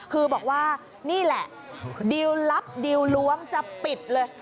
คือบอกว่านี่แหละดิวลลับดิวล้วงจะปิดเลย